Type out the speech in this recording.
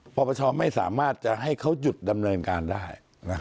ปปชไม่สามารถจะให้เขาหยุดดำเนินการได้